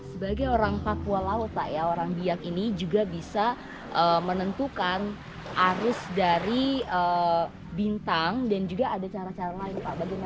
sebagai orang papua laut pak ya orang biak ini juga bisa menentukan arus dari bintang dan juga ada cara cara lain pak